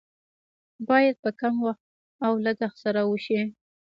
باید په کم وخت او لګښت سره وشي.